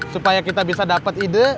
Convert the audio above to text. supaya kita bisa dapat ide